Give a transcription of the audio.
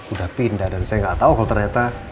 udah pindah dan saya nggak tahu kalau ternyata